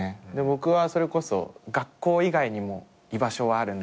僕はそれこそ学校以外にも居場所はあるんだって思えた。